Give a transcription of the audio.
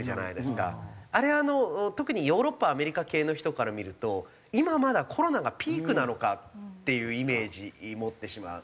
あれ特にヨーロッパアメリカ系の人から見ると今まだコロナがピークなのかっていうイメージ持ってしまう。